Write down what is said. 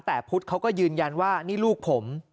แต่พุทธเขาก็ยืนยันว่านี่ลูกผม